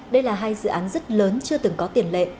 đây là hai dự án rất lớn chưa từng có tiền lệ